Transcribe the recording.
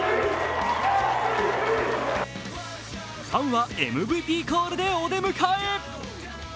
ファンはＭＶＰコールでお出迎え！